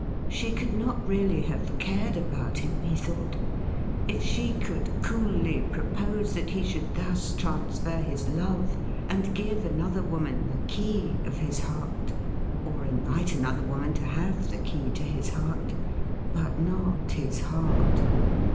She could not really have cared about him, he thought, if she could coolly propose that he should thus transfer his love, and give another woman the key of his heart, or invite another woman to have the key to his heart, but not his heart.